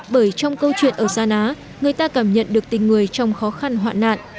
bởi trong câu chuyện ở sa ná người ta cảm nhận được tình người trong khó khăn hoạn nạn